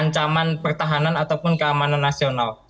ini adalah keamanan pertahanan ataupun keamanan nasional